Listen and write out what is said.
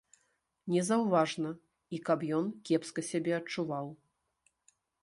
Не заўважна і каб ён кепска сябе адчуваў.